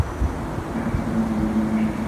এরপর তিনি জুলিয়েন স্কুলে পড়াশুনো করেন।